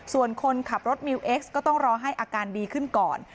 ส่วนคนขับรถมิวเอ็กซก็ต้องรอให้อาการดีขึ้นก่อน